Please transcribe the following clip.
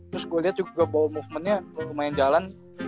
terus gue liat juga ball movement nya lumayan jalan